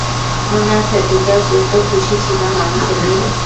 মনে আছে, টিচার কত খুশি ছিলাম আমি সেদিন?